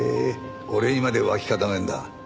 俺にまで脇固めるんだ。